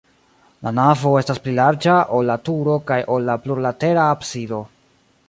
La navo estas pli larĝa, ol la turo kaj ol la plurlatera absido.